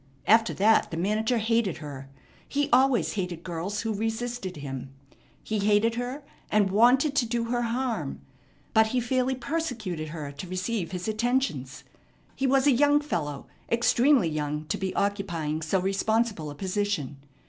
After that the manager hated her. He always hated girls who resisted him. He hated her, and wanted to do her harm. But he fairly persecuted her to receive his attentions. He was a young fellow, extremely young to be occupying so responsible a position.